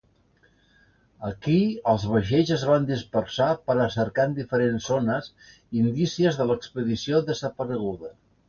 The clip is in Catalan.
Aquí els vaixells es van dispersar per a cercar en diferents zones indicies de l'expedició desapareguda.